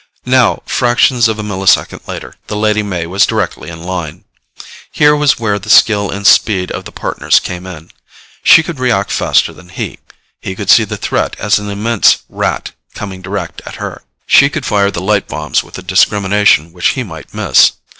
Now, fractions of a millisecond later, the Lady May was directly in line. Here was where the skill and speed of the Partners came in. She could react faster than he. She could see the threat as an immense Rat coming direct at her. She could fire the light bombs with a discrimination which he might miss.